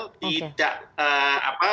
dan kemudian sanksinya tidak maksimal